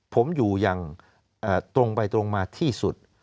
ผมอยู่อย่างตรงไปตรงมาที่สุด